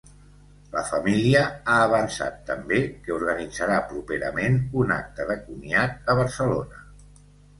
La família ha avançat també que organitzarà properament un acte de comiat a Barcelona.